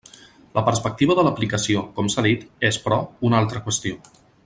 La perspectiva de l'aplicació, com s'ha dit, és, però, una altra qüestió.